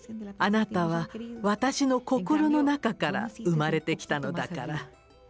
あなたは私の心の中から生まれてきたのだから」。